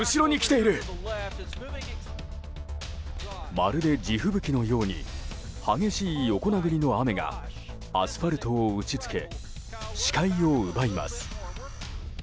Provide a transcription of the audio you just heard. まるで地吹雪のように激しい横殴りの雨がアスファルトを打ちつけ視界を奪います。